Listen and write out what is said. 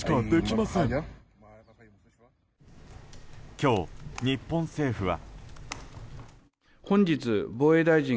今日、日本政府は。